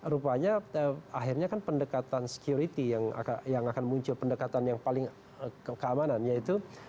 rupanya akhirnya pendekatan security yang akan muncul pendekatan yang paling keamanannya itu